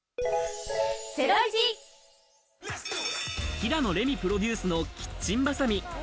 平野レミプロデュースのキッチンバサミ。